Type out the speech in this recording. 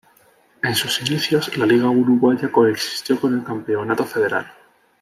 En sus inicios la Liga Uruguaya coexistió con el Campeonato Federal.